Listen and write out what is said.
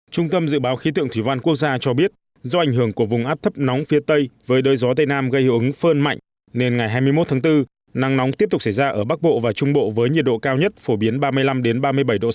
trung tâm dự báo khí tượng thủy văn quốc gia cho biết do ảnh hưởng của vùng áp thấp nóng phía tây với đới gió tây nam gây hiệu ứng phơn mạnh nên ngày hai mươi một tháng bốn nắng nóng tiếp tục xảy ra ở bắc bộ và trung bộ với nhiệt độ cao nhất phổ biến ba mươi năm ba mươi bảy độ c